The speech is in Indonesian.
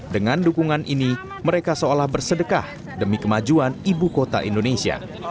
dengan dukungan ini mereka seolah bersedekah demi kemajuan ibu kota indonesia